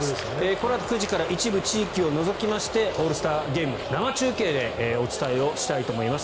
このあと９時から一部地域を除きましてオールスターゲーム生中継でお伝えをしたいと思います。